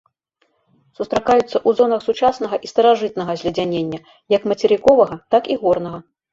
Сустракаюцца ў зонах сучаснага і старажытнага зледзянення, як мацерыковага, так і горнага.